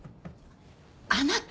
あなた！